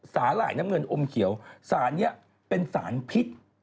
หร่ายน้ำเงินอมเขียวสารนี้เป็นสารพิษ